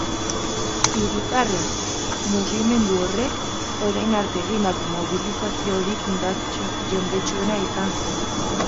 Hiritarren mugimendu horrek orain arte egindako mobilizaziorik jendetsuena izan da.